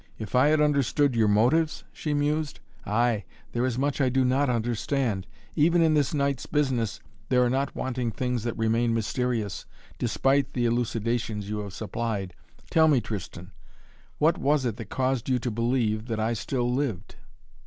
"If I had understood your motives?" she mused. "Ay there is much I do not understand! Even in this night's business there are not wanting things that remain mysterious, despite the elucidations you have supplied. Tell me, Tristan what was it that caused you to believe, that I still lived?"